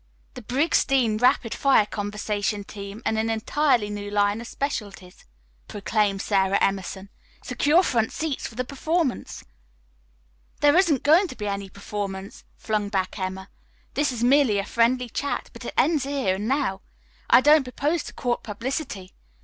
"The Briggs Dean rapid fire conversation team in an entirely new line of specialties," proclaimed Sara Emerson. "Secure front seats for the performance." "There isn't going to be any performance," flung back Emma. "This is merely a friendly chat, but it ends here and now. I don't propose to court publicity.